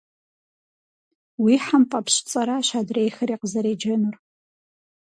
Уи хьэм фӏэпщ цӏэращ адрейхэри къызэреджэнур.